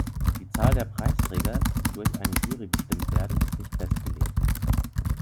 Die Zahl der Preisträger, die durch eine Jury bestimmt werden, ist nicht festgelegt.